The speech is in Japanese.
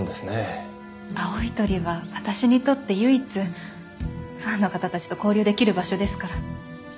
青い鳥は私にとって唯一ファンの方たちと交流できる場所ですから。